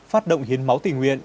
phát động hiến máu tình nguyện